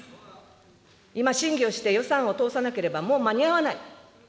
今審議をして予算を通さなければもう間に合わない。